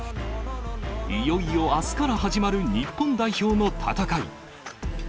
いよいよあすから始まる日本代表の戦い。